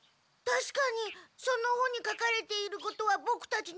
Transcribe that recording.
たしかにその本に書かれていることはボクたちににていますが。